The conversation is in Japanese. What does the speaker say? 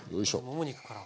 もも肉から。